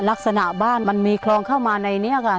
ลักษณะบ้านมันมีคลองเข้ามาในนี้ค่ะ